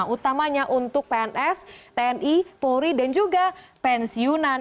utamanya untuk pns tni polri dan juga pensiunan